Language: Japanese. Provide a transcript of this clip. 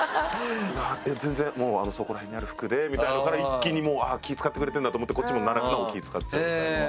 「全然そこら辺にある服で」みたいなのから一気に気使ってくれてるんだと思ってこっちもなお気使っちゃうみたいな。